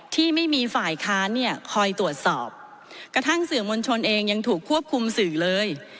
ที่ไม่มีฝ่ายค้านเนี่ยคอยตรวจสอบกระทั่งสื่อมวลชนเองยังถูกควบคุมสื่อเลย